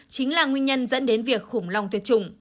chính là nguyên nhân dẫn đến việc khủng lòng tuyệt chủng